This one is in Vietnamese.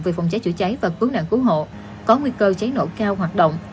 về phòng cháy chữa cháy và cú nạn cú hộ có nguy cơ cháy nổ cao hoạt động